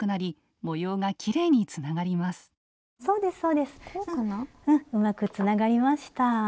うんうまくつながりました。